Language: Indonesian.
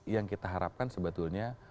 yang kita harapkan sebetulnya